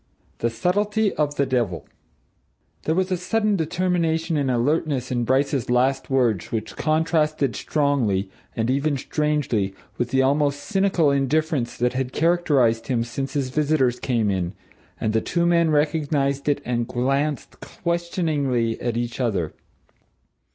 THE SUBTLETY OF THE DEVIL There was a sudden determination and alertness in Bryce's last words which contrasted strongly, and even strangely, with the almost cynical indifference that had characterized him since his visitors came in, and the two men recognized it and glanced questioningly at each other.